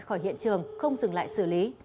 khỏi hiện trường không dừng lại xử lý